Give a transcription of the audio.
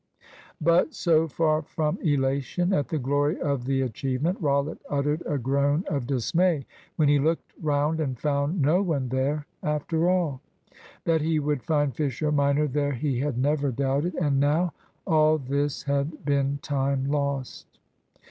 But, so far from elation at the glory of the achievement, Rollitt uttered a groan of dismay when he looked round and found no one there after all. That he would find Fisher minor there he had never doubted; and now all this had been time lost.